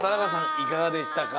いかがでしたか？